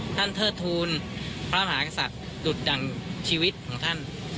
เทิดทูลพระมหากษัตริย์ดุดดั่งชีวิตของท่าน